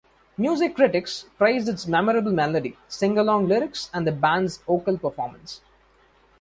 Music critics praised its memorable melody, singalong lyrics and the band's vocal performance.